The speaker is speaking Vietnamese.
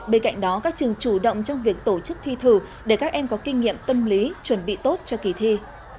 bên cạnh đó các trường chủ động trong việc tổ chức thi thử để các em có kinh nghiệm tâm lý chuẩn bị tốt cho kỳ thi